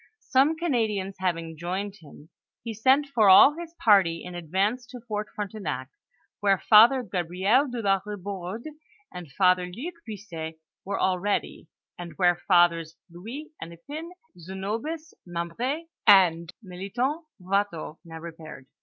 Some Canadians having joined him, he sent all his party in advance to Fort Frontenac, where Father Gabriel de la Kibourde, and Father Luke Buisset were al ready, and where Fathers Louis Hennepin, Zenobius Mem br6, and Melithon Watteau, now repaired.